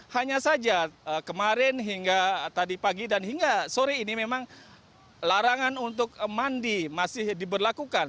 hanya saja kemarin hingga tadi pagi dan hingga sore ini memang larangan untuk mandi masih diberlakukan